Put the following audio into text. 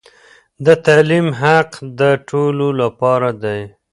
د تعليم حق د ټولو لپاره دی.